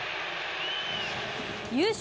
優勝